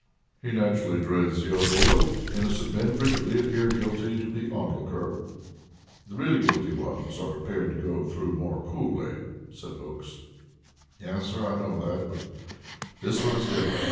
"He naturally dreads the ordeal; innocent men frequently appear guilty to the onlooker. The really guilty ones are prepared and go through more coolly," said Oakes. "Yes, sir, I know that; but this one is different.